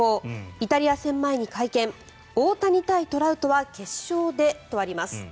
イタリア戦前に会見大谷対トラウトは決勝でとあります。